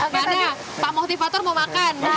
karena pak motivator mau makan